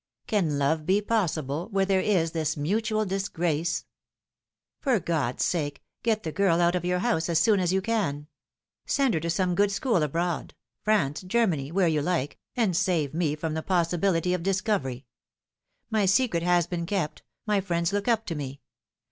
Can love be possible where there is this mutual disgrace ?" For God's sake, get the girl out of your house as soom as you can ! Send her to some good school abroad France, Germany, where you like, and save me from the possibility of discovery. My secret has been kept my friends look up to me.